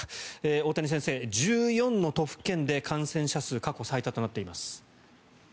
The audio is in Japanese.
大谷先生、１４の都府県で感染者数過去最多となっています。